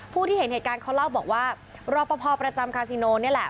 ผู้ที่เห็นเหตุการณ์เขาเล่าบอกว่ารอปภประจำคาซิโนนี่แหละ